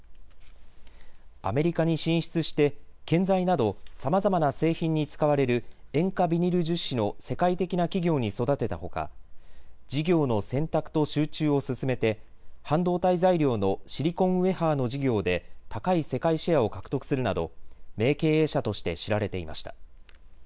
アメリカに進出して建材などさまざまな製品に使われる塩化ビニル樹脂の世界的な企業に育てたほか事業の選択と集中を進めて半導体材料のシリコンウエハーの事業で高い世界シェアを獲得するなど名経営者として知られていました。